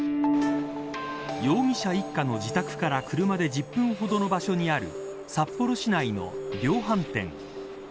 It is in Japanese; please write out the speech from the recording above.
容疑者一家の自宅から車で１０分ほどの場所にある札幌市内の量販店。